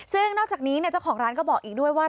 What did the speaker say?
ซึ่งนอกจากนี้เจ้าของร้านก็บอกอีกด้วยว่า